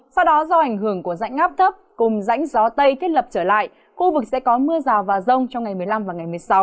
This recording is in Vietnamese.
sau đó do ảnh hưởng của rãnh ngáp thấp cùng rãnh gió tây thiết lập trở lại khu vực sẽ có mưa rào và rông trong ngày một mươi năm và ngày một mươi sáu